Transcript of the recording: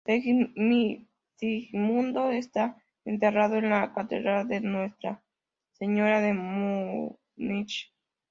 Segismundo está enterrado en la catedral de Nuestra Señora de Múnich.